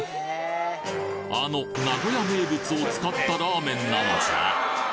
あの名古屋名物を使ったラーメンなのか？